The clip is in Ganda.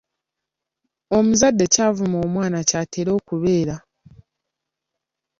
Omuzadde ky’avuma omwana ky’atera okubeera.